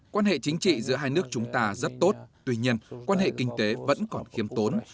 quan hệ chính trị giữa hai nước chúng ta rất tốt tuy nhiên quan hệ kinh tế vẫn còn khiêm tốn